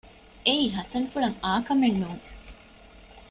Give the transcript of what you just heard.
އެއީ ހަސަންފުޅަށް އާކަމެއް ނޫން